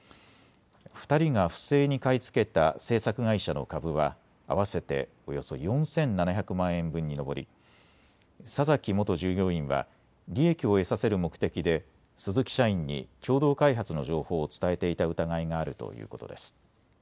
２人が不正に買い付けた制作会社の株は合わせておよそ４７００万円分に上り佐崎元従業員は利益を得させる目的で鈴木社員に共同開発の情報を伝えていた疑いがあるということです。